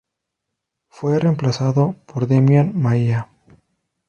Fue reemplazado por Demian Maia.